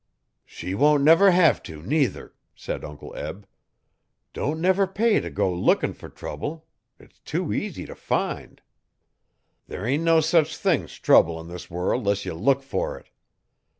'She won't never hev to nuther,' said Uncle Eb. 'Don't never pay if go bookin' fer trouble it stew easy if find. There ain' no sech thing 's trouble 'n this world 'less ye look for it.